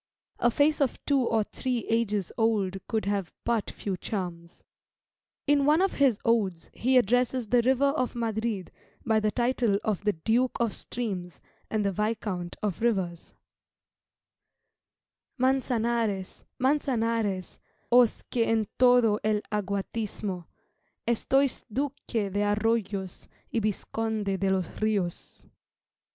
A face of two or three ages old could have but few charms. In one of his odes he addresses the River of Madrid by the title of the Duke of Streams, and the Viscount of Rivers "Mançanares, Mançanares, Os que en todo el aguatismo, Estois Duque de Arroyos, Y Visconde de los Rios."